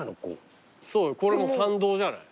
これもう参道じゃない？